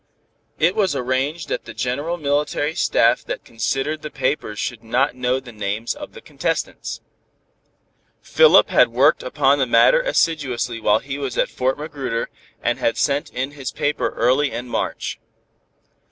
It was arranged that the general military staff that considered the papers should not know the names of the contestants. Philip had worked upon the matter assiduously while he was at Fort Magruder, and had sent in his paper early in March.